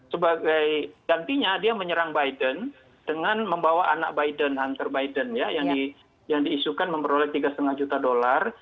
sebagai gantinya dia menyerang biden dengan membawa anak biden hunter biden ya yang diisukan memperoleh tiga lima juta dolar